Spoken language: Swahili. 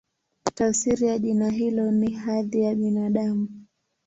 Tafsiri ya jina hilo ni "Hadhi ya Binadamu".